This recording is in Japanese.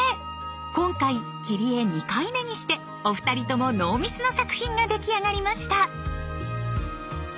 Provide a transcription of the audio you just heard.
今回切り絵２回目にしてお二人ともノーミスの作品が出来上がりました。